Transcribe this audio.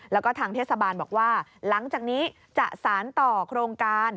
แล้วก็ทางเทศบาลบอกว่าหลังจากนี้จะสารต่อโครงการ